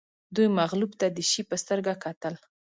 دوی مغلوب ته د شي په سترګه کتل